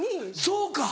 そうか。